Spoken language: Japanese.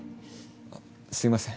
あっすいません。